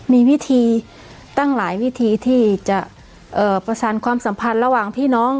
มีวิธีตั้งหลายวิธีที่จะประสานความสัมพันธ์ระหว่างพี่น้อง